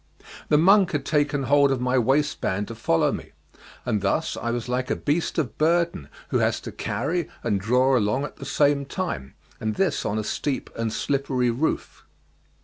The monk had taken hold of my waistband to follow me, and thus I was like a beast of burden who has to carry and draw along at the same time; and this on a steep and slippery roof.